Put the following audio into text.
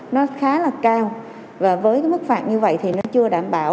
nó khá là cao và với cái mức phạt như vậy thì nó chưa đảm bảo